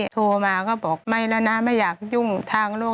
โทรมาก็บอกไม่แล้วนะไม่อยากยุ่งทางลูก